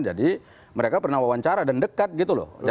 jadi mereka pernah wawancara dan dekat gitu